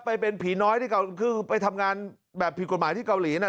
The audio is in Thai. ไปเป็นผีน้อยที่คือไปทำงานแบบผิดกฎหมายที่เกาหลีน่ะ